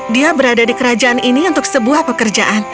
dia berada di kerajaan ini untuk sebuah pekerjaan